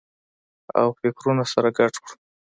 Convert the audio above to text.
او فکرونه سره ګډ کړو